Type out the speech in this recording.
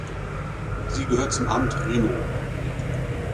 Sie gehört zum Amt Rhinow.